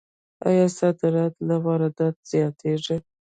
آیا صادرات له وارداتو زیاتیږي؟